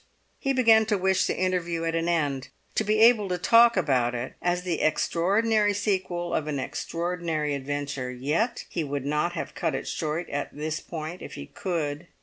He began to wish the interview at an end—to be able to talk about it as the extraordinary sequel of an extraordinary adventure—yet he would not have cut it short at this point if he could.